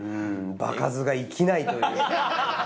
場数が生きないという。